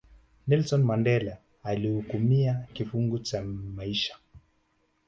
nelson mandela alihukumia kifungo cha maisha